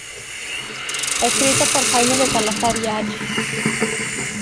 Escrito por Jaime de Salazar y Acha.